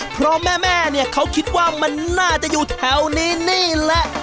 เพราะแม่เนี่ยเขาคิดว่ามันน่าจะอยู่แถวนี้นี่แหละ